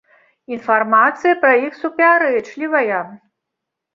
Інфармацыя пра іх супярэчлівая.